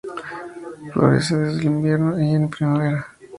Florece desde el invierno y en primavera.